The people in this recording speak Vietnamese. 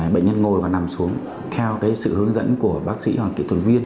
bệnh nhân ngồi và nằm xuống theo sự hướng dẫn của bác sĩ hoặc kỹ thuật viên